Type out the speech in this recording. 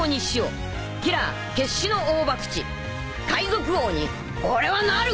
海賊王に俺はなる！